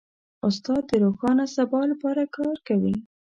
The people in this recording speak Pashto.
استاد د روښانه سبا لپاره کار کوي.